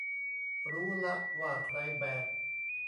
รู้ละว่าใครแบก